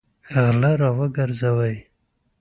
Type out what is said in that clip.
غله راوګرځوئ!